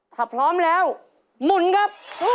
ถ้าพร้อมแล้วหมุนครับ